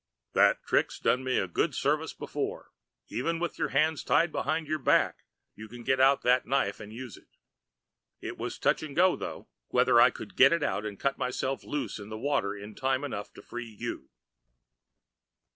"That trick's done me good service before even with your hands tied behind your back you can get out that knife and use it. It was touch and go, though, whether I could get it out and cut myself loose in the water in time enough to free you."